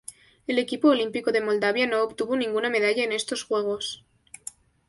El equipo olímpico de Moldavia no obtuvo ninguna medalla en estos Juegos.